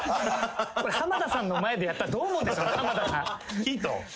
これ浜田さんの前でやったらどう思うんでしょう浜田さん。